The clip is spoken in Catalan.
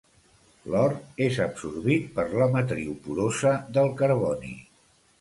L'or és absorbit per la matriu porosa del carboni.